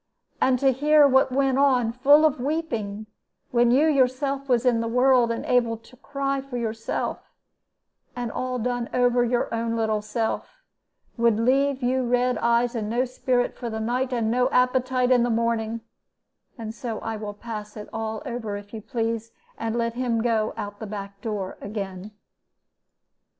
And to hear what went on, full of weeping, when yourself was in the world, and able to cry for yourself, and all done over your own little self, would leave you red eyes and no spirit for the night, and no appetite in the morning; and so I will pass it all over, if you please, and let him go out of the backdoor again.